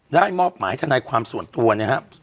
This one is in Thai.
ได้มอบหมายทนายความส่วนตัวเนี่ยฮะ